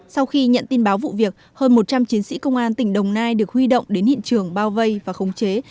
sau khi nhận tin báo vụ việc hơn một trăm linh chiến sĩ công an tỉnh đồng nai được huy động đến hiện trường bao vây và khống chế